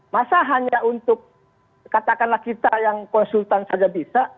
masa hanya untuk katakanlah kita yang konsultan saja bisa